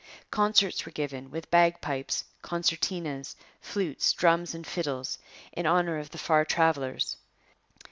Concerts were given, with bagpipes, concertinas, flutes, drums, and fiddles, in honour of the far travellers.